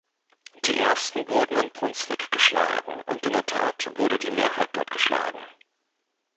Die ersten wurden in Brunswick geschlagen, und in der Tat wurde die Mehrheit dort geschlagen.